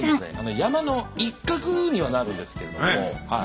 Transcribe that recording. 山の一角にはなるんですけれどもはい。